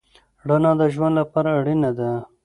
رڼا د ژوند لپاره اړینه ده.